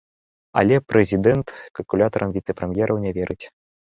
Але прэзідэнт калькулятарам віцэ-прэм'ераў не верыць.